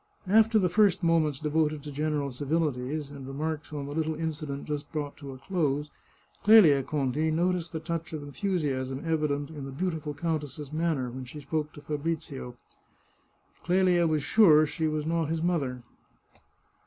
After the first moments devoted to general civilities, and remarks on the little incident just brought to a close, Clelia Conti noticed the touch of enthusiasm evident in the beauti ful countess's manner when she spoke to Fabrizio. Clelia was sure she was not his mother.